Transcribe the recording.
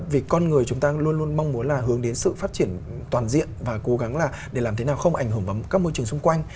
vì con người chúng ta luôn luôn mong muốn là hướng đến sự phát triển toàn diện và cố gắng là để làm thế nào không ảnh hưởng vào các môi trường xung quanh